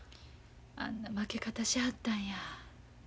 あんな負け方しはったんや。